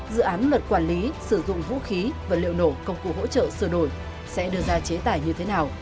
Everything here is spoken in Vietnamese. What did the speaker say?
dự án luật quản lý sử dụng vũ khí và liệu nổ công cụ hỗ trợ sửa đổi sẽ đưa ra chế tải như thế nào